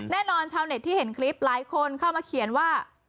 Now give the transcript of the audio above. แน่นอนแชลเน็ตที่เห็นคลิปร้านคนเข้ามาเขียนว่า